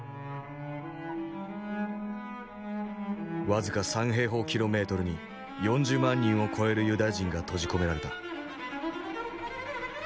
僅か３平方キロメートルに４０万人を超えるユダヤ人が閉じ込められた。